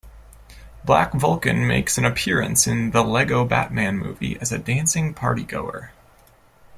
Black Vulcan makes an appearance in "The Lego Batman Movie" as a dancing partygoer.